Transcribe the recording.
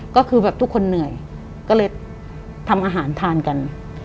ก็คือแบบทุกคนเหนื่อยก็เลยทำอาหารทานกัน